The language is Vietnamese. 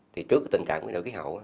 thì trước tình trạng nguyên liệu khí hậu